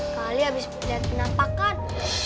kali abis liat penampakan